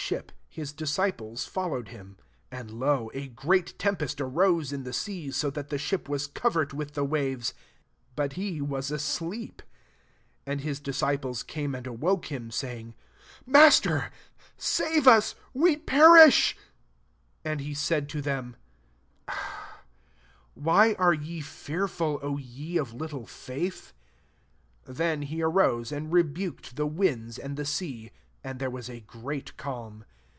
Bl3ip>hisdisci{^es followed him. Sn^ And, lo, a great tempest arose LA tbe sea, so that the ship was cowered with the waves : but he vTAas asleep' 25 And his disci plos came and awoke him, say Liig^9 Master, save us : we per tsb»^' 26 And he said to them, c V^hy are ye fearful, O ye of Little &ith?" Then he arose and rebuked the winds and the sea t and there was a great caUn.